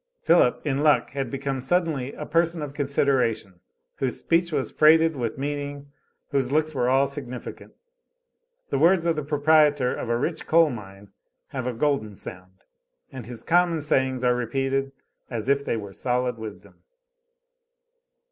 Philip, in luck, had become suddenly a person of consideration, whose speech was freighted with meaning, whose looks were all significant. The words of the proprietor of a rich coal mine have a golden sound, and his common sayings are repeated as if they were solid wisdom.